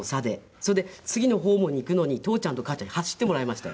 それで次のホームに行くのに父ちゃんと母ちゃんに走ってもらいましたよ